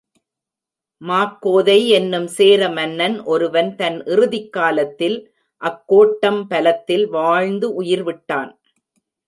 மாக்கோதை என்னும் சேர மன்னன் ஒருவன் தன் இறுதிக்காலத்தில் அக்கோட்டம் பலத்தில் வாழ்ந்து உயிர் விட்டான்.